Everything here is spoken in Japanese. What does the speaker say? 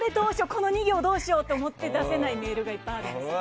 この２行どうしようと思って出せないメールがいっぱいあるの。